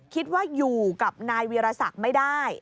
คิดว่าอยู่กับนายวีรศักดิ์ไม่ได้